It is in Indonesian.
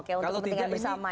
oke untuk kepentingan bersama